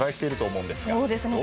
そうですね